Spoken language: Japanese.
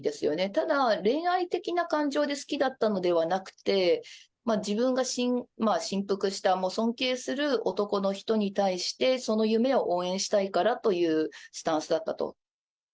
ただ、恋愛的な感情で好きだったのではなくて、自分が心服した、尊敬する男の人に対して、その夢を応援したいからというスタンスだったと。